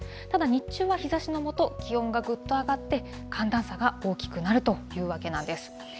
ただ日中は日ざしのもと、気温がぐっと上がって、寒暖差が大きくなるというわけなんです。